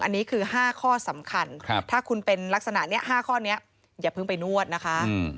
อันนี้คือ๕ข้อสำคัญถ้าคุณเป็นลักษณะนี้๕ข้อนี้อย่าเพิ่งไปนวดนะคะ